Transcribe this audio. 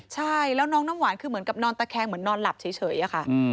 ใช่แล้วน้องน้ำหวานคือเหมือนกับนอนตะแคงเหมือนนอนหลับเฉยอะค่ะ